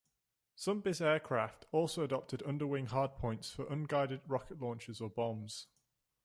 Some "bis" aircraft also adopted under-wing hardpoints for unguided rocket launchers or bombs.